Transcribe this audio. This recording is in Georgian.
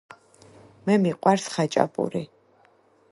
მე მიყვარს ხაჭაპური